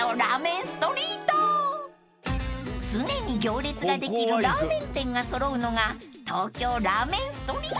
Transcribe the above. ［常に行列ができるラーメン店が揃うのが東京ラーメンストリート］